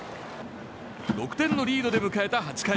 ６点のリードで迎えた８回。